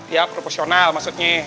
ya proposional maksudnya